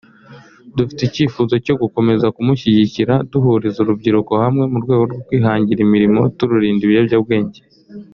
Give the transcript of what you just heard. dufite icyifuzo cyo gukomeza kumushyigikira duhuriza urubyiruko hamwe mu rwego rwo kwihangira imirimo tururinda ibiyobyabwenge